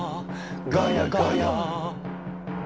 ガヤ！ガヤ！」